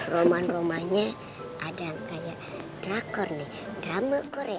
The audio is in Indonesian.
roman roman nya ada yang kayak drakor nih drama korea